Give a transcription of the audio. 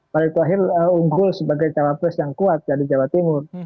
pak erik tuwajir unggul sebagai cawa plus yang kuat di jawa timur